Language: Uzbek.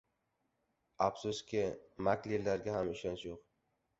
Afsuski maklerlarga ham ishonch yo'q.